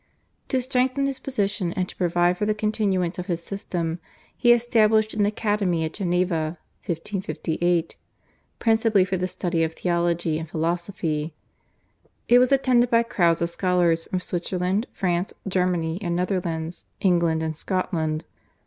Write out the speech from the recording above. To strengthen his position and to provide for the continuance of his system he established an academy at Geneva (1558) principally for the study of theology and philosophy. It was attended by crowds of scholars from Switzerland, France, Germany, the Netherlands, England, and Scotland.